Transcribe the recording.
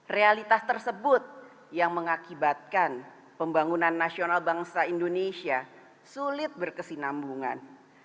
realitas tersebut yang mengakibatkan pembangunan nasional bangsa indonesia sulit berkesinambungan